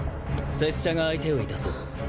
拙者が相手をいたそう。